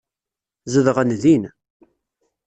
Zedɣen din.